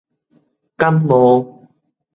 感冒